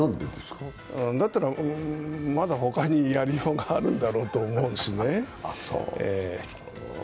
だったらまだ他にやりようがあるんだろうと思うんですね。